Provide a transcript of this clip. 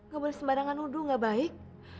gak boleh sembarangan udung gak baik